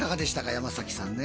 山崎さんね。